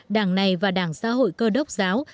đảng này và đảng xã hội cơ đốc giáo